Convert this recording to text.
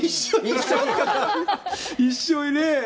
一緒にね。